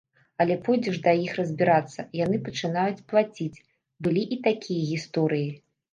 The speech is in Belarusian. Але пойдзеш да іх разбірацца, яны пачынаюць плаціць, былі і такія гісторыі.